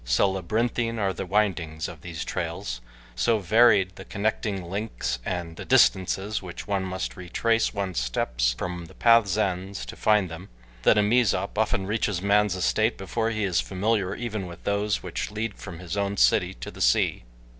So labyrinthine are the windings of these trails, so varied the connecting links and the distances which one must retrace one's steps from the paths' ends to find them that a Mezop often reaches man's estate before he is familiar even with those which lead from his own city to the sea.